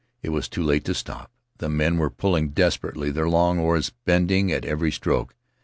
It was too late to stop — the men were pulling desperately, their long oars bending at every stroke.